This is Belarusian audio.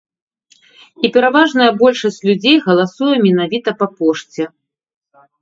І пераважная большасць людзей галасуе менавіта па пошце.